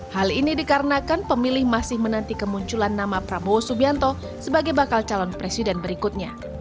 hal ini dikarenakan pemilih masih menanti kemunculan nama prabowo subianto sebagai bakal calon presiden berikutnya